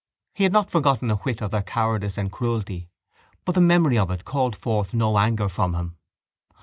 He had not forgotten a whit of their cowardice and cruelty but the memory of it called forth no anger from him.